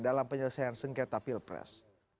dalam penyelesaian sengketa pilpres